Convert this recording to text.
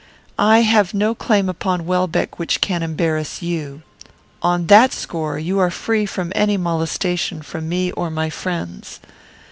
"I have no claim upon Welbeck which can embarrass you. On that score, you are free from any molestation from me or my friends.